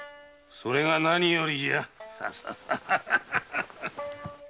それがなによりじゃ！